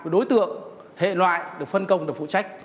đối tượng hệ loại được phân công được phụ trách